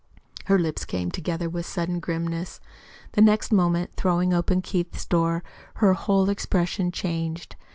Her lips came together with a sudden grimness. The next moment, throwing open Keith's door, her whole expression changed.